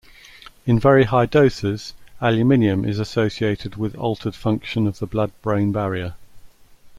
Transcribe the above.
In very high doses, aluminium is associated with altered function of the blood-brain barrier.